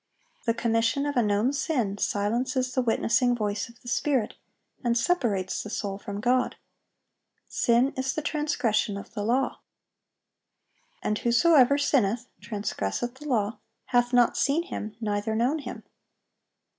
The commission of a known sin silences the witnessing voice of the Spirit, and separates the soul from God. "Sin is the transgression of the law." And "whosoever sinneth [transgresseth the law] hath not seen Him, neither known Him."